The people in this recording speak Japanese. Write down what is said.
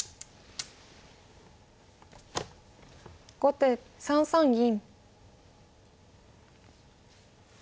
後手３三銀。